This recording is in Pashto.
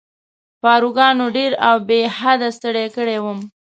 پاروګانو ډېر او بې حده ستړی کړی وم.